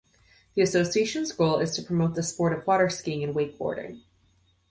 The association's goal is to promote the sport of water skiing and wakeboarding.